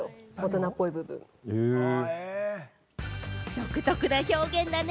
独特な表現だね。